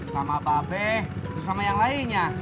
sama babe terus sama yang lainnya